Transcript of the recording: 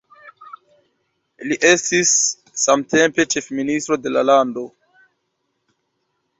Li estis samtempe ĉefministro de la lando.